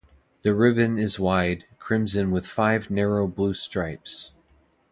The ribbon is wide, crimson with five narrow blue stripes.